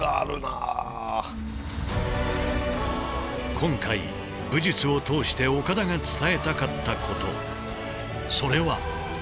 今回武術を通して岡田が伝えたかったことそれは。